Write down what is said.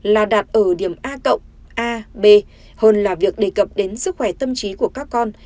là đạt ở điểm a b hơn là việc đề cập đến sức khỏe tâm trí của các con